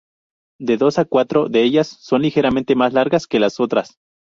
De dos a cuatro de ellas son ligeramente más largas que las otras.